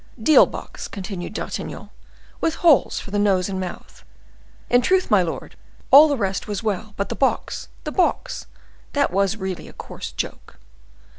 "Deal box," continued D'Artagnan, "with holes for the nose and mouth. In truth, my lord, all the rest was well; but the box, the box! that was really a coarse joke."